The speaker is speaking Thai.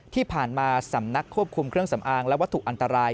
ที่ผ่านมาสำนักควบคุมเครื่องสำอางและวัตถุอันตราย